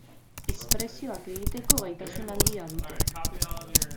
Espresioak egiteko gaitasun handia dute.